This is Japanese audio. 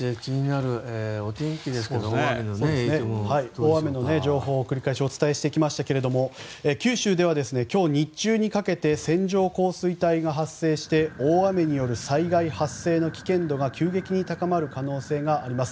大雨の情報を繰り返しお伝えしましたが九州では今日日中にかけて線状降水帯が発生して大雨による災害発生の危険度が急激に高まる恐れがあります。